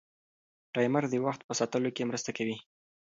ټایمر د وخت په ساتلو کې مرسته کوي.